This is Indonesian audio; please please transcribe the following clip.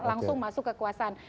langsung masuk kekuasaan